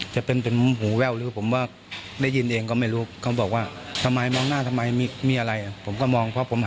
จนเกือบสองปีแล้ว